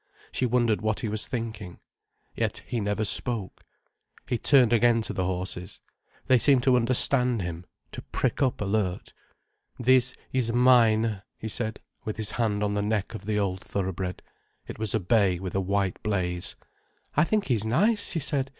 She wondered what he was thinking. Yet he never spoke. He turned again to the horses. They seemed to understand him, to prick up alert. "This is mine," he said, with his hand on the neck of the old thoroughbred. It was a bay with a white blaze. "I think he's nice," she said.